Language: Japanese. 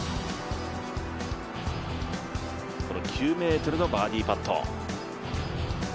この９ｍのバーディーパット。